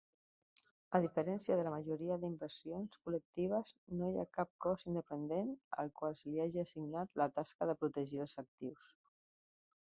A diferència de la majoria d'inversions col·lectives, no hi ha cap cos independent al qual se li hagi assignat la tasca de protegir els actius.